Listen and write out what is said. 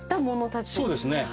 そうですね。